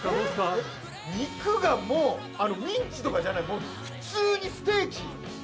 肉がもうミンチとかじゃないもう普通にステーキ。